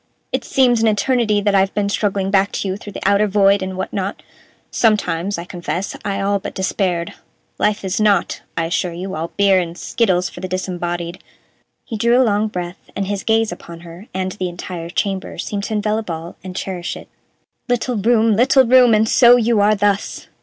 "It seems an eternity that I've been struggling back to you through the outer void and what not. Sometimes, I confess I all but despaired. Life is not, I assure you, all beer and skittles for the disembodied." He drew a long breath, and his gaze upon her and the entire chamber seemed to envelop all and cherish it. "Little room, little room! And so you are thus!